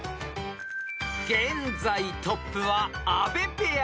［現在トップは阿部ペア］